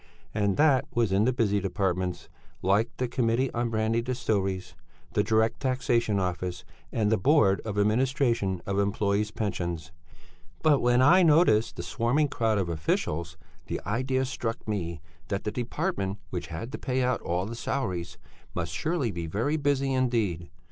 And that was in the busy departments, like the Committee on Brandy Distilleries, the Direct Taxation Office and The Board of Administration of Employés' Pensions. But when I noticed the swarming crowd of officials, the idea struck me that the department which had to pay out all the salaries must surely be very busy indeed.